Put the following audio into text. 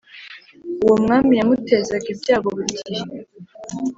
uwo mwami yamutezaga ibyago buri gihe